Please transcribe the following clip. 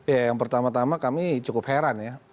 ya yang pertama tama kami cukup heran ya